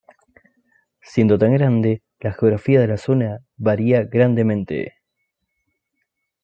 Siendo tan grande, la geografía de la zona varía grandemente.